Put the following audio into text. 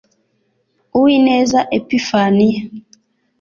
uwineza epiphanie